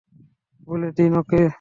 বলে দিন ওকে।